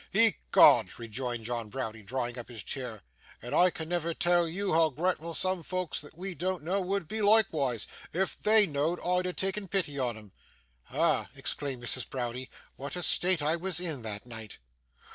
'Ecod!' rejoined John Browdie, drawing up his chair; 'and I can never tell YOU hoo gratful soom folks that we do know would be loikewise, if THEY know'd I had takken pity on him.' 'Ah!' exclaimed Mrs. Browdie, 'what a state I was in that night!